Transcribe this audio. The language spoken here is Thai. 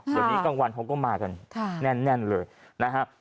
ส่วนนี้กลางวันเขาก็มากันแน่นเลยนะครับ